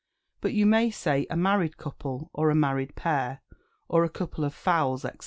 But you may say "A married couple," or, "A married pair," or, "A couple of fowls," &c.